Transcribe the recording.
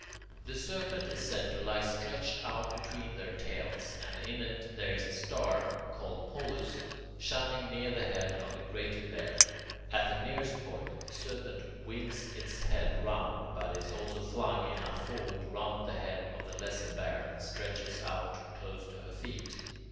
The Serpent is said to lie stretched out between their tails, and in it there is a star, called Polus, shining near the head of the Greater Bear. At the nearest point, the Serpent winds its head round, but is also flung in a fold round the head of the Lesser Bear, and stretches out close to her feet.